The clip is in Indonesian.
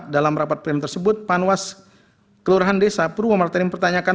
dalam rapat prem tersebut panwas kelurahan desa purwomartani mempertanyakan